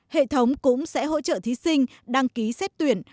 hệ thống cũng sẽ hỗ trợ thí sinh đăng ký xét tuyển